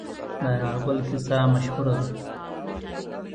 د انار ګل کیسه مشهوره ده.